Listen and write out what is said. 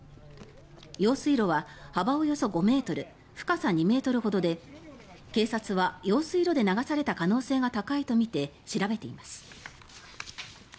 用水路は幅およそ５ｍ深さ２ｍほどで警察は用水路で流された可能性が高いとみて調べています。